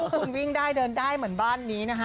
คุณวิ่งได้เดินได้เหมือนบ้านนี้นะคะ